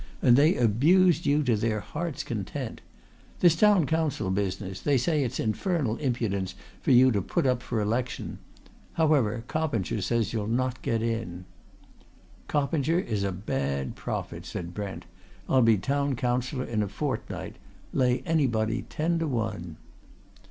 And they abused you to their hearts' content. This Town Council business they say it's infernal impudence for you to put up for election. However, Coppinger says you'll not get in." "Coppinger is a bad prophet," said Brent. "I'll be Town Councillor in a fortnight. Lay anybody ten to one!"